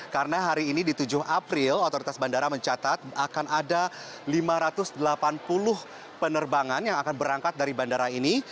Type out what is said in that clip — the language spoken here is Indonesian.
karena hari ini di tujuh april otoritas bandara mencatat akan ada lima ratus delapan puluh penerbangan yang akan berangkat dari bandara ini